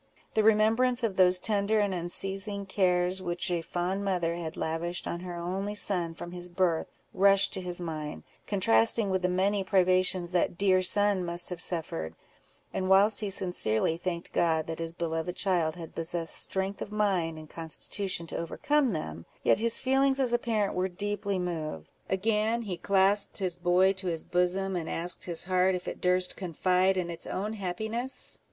The remembrance of those tender and unceasing cares which a fond mother had lavished on her only son, from his birth, rushed to his mind, contrasting with the many privations that dear son must have suffered; and whilst he sincerely thanked God that his beloved child had possessed strength of mind and constitution to overcome them, yet his feelings as a parent were deeply moved. Again he clasped his boy to his bosom, and asked his heart if it durst confide in its own happiness?